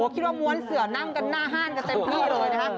ม้วนเสือนั่งกันหน้าห้านกันเต็มที่เลยนะคะ